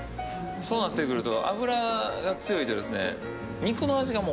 そうなってくると。